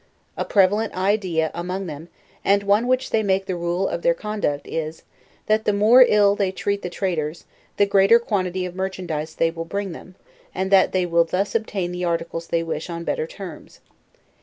A prevalent idea a mongthem, and one which they make the rule of their con duct, is, that the more ill they treat the traders, the greater quantity of merchandise they will bring them, and that they LEWIS AND CLARKE 135 9 will thus obtain the articles they wish on better terras.